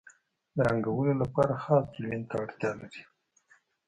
د رنګولو لپاره خاص تلوین ته اړتیا لري.